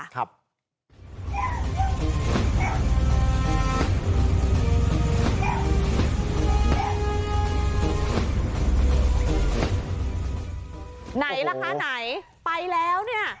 ไหนล่ะคะไหนไปแล้วเนี่ย